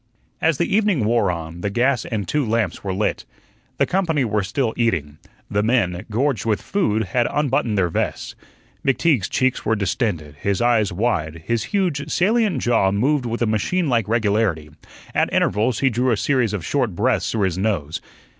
As the evening wore on, the gas and two lamps were lit. The company were still eating. The men, gorged with food, had unbuttoned their vests. McTeague's cheeks were distended, his eyes wide, his huge, salient jaw moved with a machine like regularity; at intervals he drew a series of short breaths through his nose.